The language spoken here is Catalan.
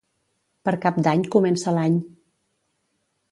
Per Cap d'Any comença l'any.